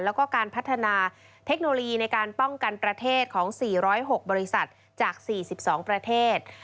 แล้วก็การพัฒนาเทคโนโลยีในการป้องกันประเทศของ๔๐๖บริษัทจาก๔๒ประเทศ